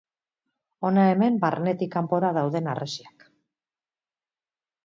Hona hemen barnetik kanpora dauden harresiak.